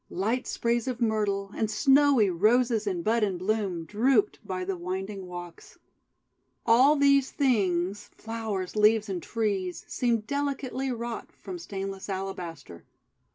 Light sprays of Myrtle, and snowy Roses in bud and bloom, drooped by the winding walks. All these things — flowers, leaves, and trees — seemed delicately wrought from stainless alabaster.